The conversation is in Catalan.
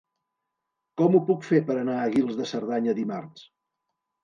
Com ho puc fer per anar a Guils de Cerdanya dimarts?